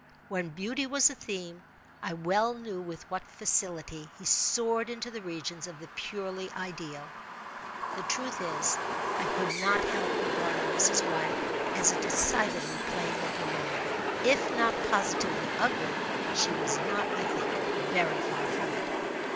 When beauty was the theme, I well knew with what facility he soared into the regions of the purely ideal. The truth is, I could not help regarding Mrs. Wyatt as a decidedly plain looking woman. If not positively ugly, she was not, I think, very far from it.